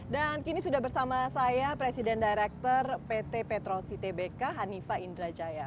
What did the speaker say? dan kini sudah bersama saya presiden direktur pt petrosi tbk hanifah indrajaya